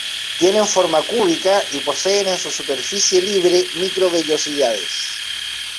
Tienen forma cúbica y poseen en su superficie libre microvellosidades.